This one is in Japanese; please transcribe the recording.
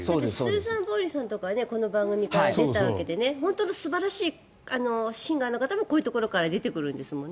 スーザン・ボイルさんとかはこの番組から出たわけで素晴らしいシンガーもこういうところから出てくるんですもんね。